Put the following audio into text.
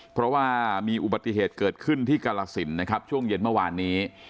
เพราะว่ามีอุบัติเหตุเกิดขึ้นที่กรสินนะครับช่วงเย็นเมื่อวานนี้